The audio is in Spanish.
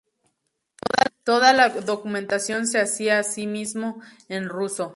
Toda la documentación se hacía asimismo en ruso.